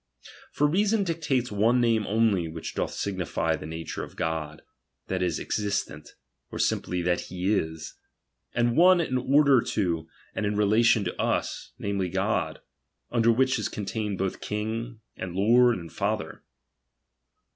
For reason dictates one natae alone which doth signify the nature of God, that is, existent, or simply, that he is ; and one in or der to, and in relation to us, namely God, under which is contained both King, and Lord, aud Fntlter.